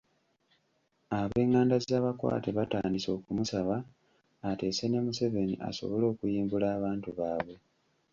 Abenganda z'abakwate batandise okumusaba ateese ne Museveni asobole okuyimbula abantu baabwe.